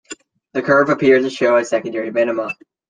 The curve appeared to show a secondary minima.